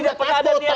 tidak ada niat